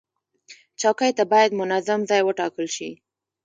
چوکۍ ته باید منظم ځای وټاکل شي.